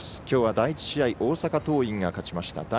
きょうは第１試合大阪桐蔭が勝ちました。